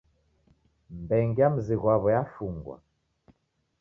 Mbenge ya muzi ghwaw'o yafungwa